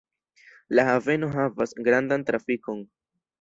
La haveno havas grandan trafikon.